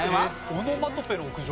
オノマトペの屋上。